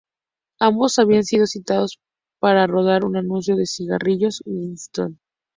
Ambos habían sido citados para rodar un anuncio de cigarrillos Winston.